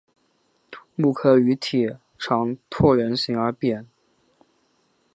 本科鱼体长椭圆形而侧扁。